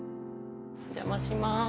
お邪魔します。